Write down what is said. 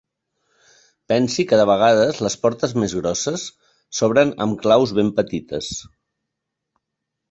Pensi que de vegades les portes més grosses s'obren amb claus ben petites.